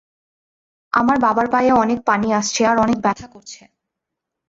আমার বাবার পায়ে অনেক পানি আসছে আর অনেক ব্যথা করছে।